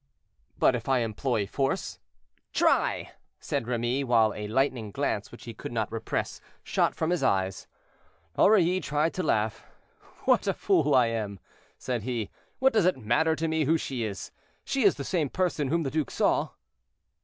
"But if I employ force." "Try," said Remy, while a lightning glance, which he could not repress, shot from his eyes. Aurilly tried to laugh. "What a fool I am!" said he; "what does it matter to me who she is? She is the same person whom the duke saw."